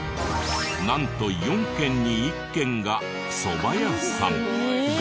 なんと４軒に１軒がそば屋さん。